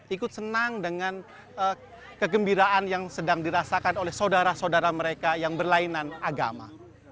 ikut senang dengan kegembiraan yang sedang dirasakan oleh saudara saudara mereka yang berlainan agama